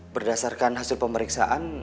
berdasarkan hasil pemeriksaan